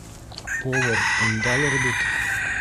— Повар ундалыр бит.